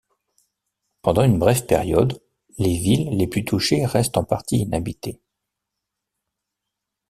Pendant une brève période, les villes les plus touchées restent en partie inhabitées.